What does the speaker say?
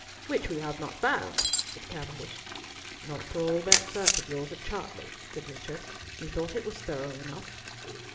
"Which we have not found," said Cavendish. "Not for all that search of yours at Chartley?" said Richard. "Methought it was thorough enough!"